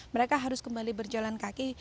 mereka harus kembali berjalan kaki